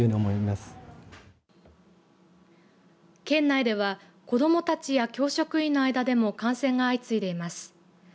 県内では、子どもたちや教職員の間でも感染が相次いでいます。